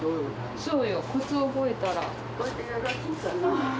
そうよコツを覚えたら。